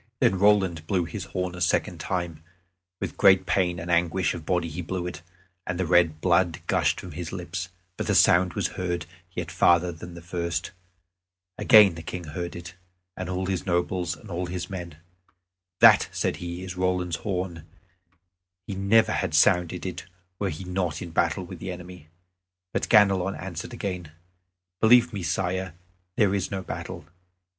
Then Roland blew his horn a second time; with great pain and anguish of body he blew it, and the red blood gushed from his lips; but the sound was heard yet farther than at first. Again the King heard it, and all his nobles, and all his men. "That," said he, "is Roland's horn; he never had sounded it were he not in battle with the enemy." But Ganelon answered again: "Believe me, Sire, there is no battle.